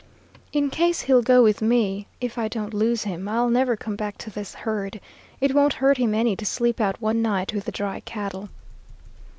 In case he'll go with me, if I don't lose him, I'll never come back to this herd. It won't hurt him any to sleep out one night with the dry cattle.'